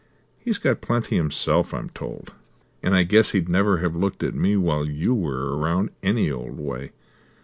He's got plenty himself, I'm told, and I guess he'd never have looked at me while you were around, any old way.